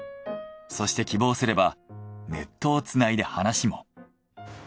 そして希望すればネットをつないで話も。